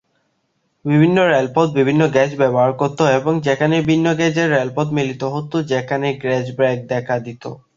বিভিন্ন রেলপথ বিভিন্ন গেজ ব্যবহার করত, এবং যেখানে ভিন্ন গেজের রেলপথ মিলিত হতো, যেখানে "গেজ ব্রেক" দেখা দিতো।